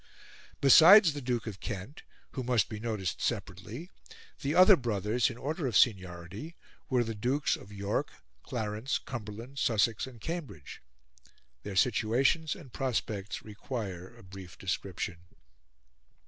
Besides the Duke of Kent, who must be noticed separately, the other brothers, in order of seniority, were the Dukes of York, Clarence, Cumberland, Sussex, and Cambridge; their situations and prospects require a brief description.